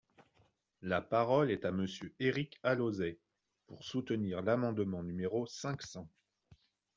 La parole est à Monsieur Éric Alauzet, pour soutenir l’amendement numéro cinq cents.